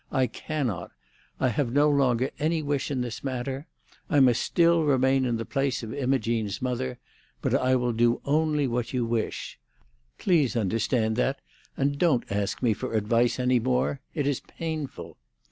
I cannot. I have no longer any wish in this matter. I must still remain in the place of Imogene's mother; but I will do only what you wish. Please understand that, and don't ask me for advice any more. It is painful."